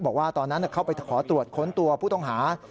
บอกว่าตอนนั้นเข้าไปขอตรวจค้นตัวผู้ต้องหา